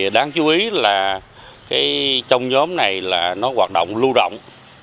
đáng chú ý là trong nhóm này là nó hoạt động lưu động